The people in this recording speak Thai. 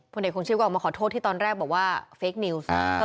เด็กคงชีพก็ออกมาขอโทษที่ตอนแรกบอกว่าเฟคนิวส์